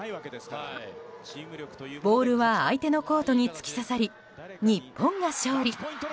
ボールは相手のコートに突き刺さり日本が勝利。